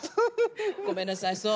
ごめんなさいそう。